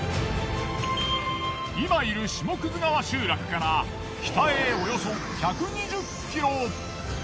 今いる下葛川集落から北へおよそ１２０ｋｍ。